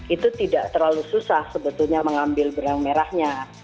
itu tidak terlalu susah sebetulnya mengambil berang merahnya